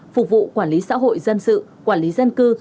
phục vụ quản lý xã hội dân sự quản lý dân cư